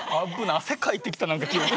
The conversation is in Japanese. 汗かいてきたなんか急に。